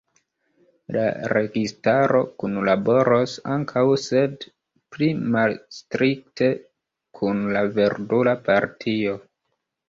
La registaro kunlaboros ankaŭ sed pli malstrikte kun la Verdula Partio.